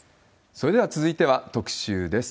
それでは続いては、特集です。